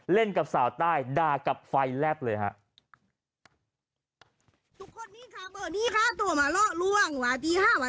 กับสาวใต้ด่ากับไฟแลบเลยฮะ